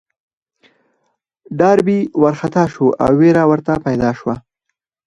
ډاربي وارخطا شو او وېره ورته پيدا شوه.